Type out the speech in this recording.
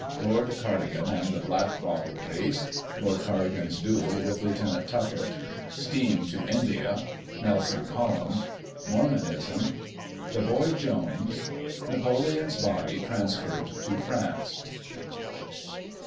Lord Cardigan and the *' Black bottle " case — Lord Cardigan's duel with Lieut. Tuckett — Steam to India — Nelson Column — Mormonism —The Boy Jones *— Napoleon's body transferred to France.